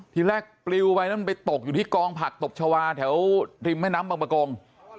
ทีแรกปลิวไปแล้วมันไปตกอยู่ที่กองผักตบชาวาแถวริมแม่น้ำบางประกง